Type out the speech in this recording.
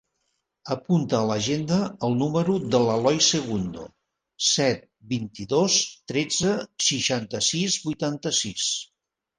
Apunta a l'agenda el número de l'Eloi Segundo: set, vint-i-dos, tretze, seixanta-sis, vuitanta-sis.